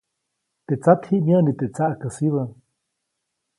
Teʼ tsat ji myäʼni teʼ tsaʼkäsibä.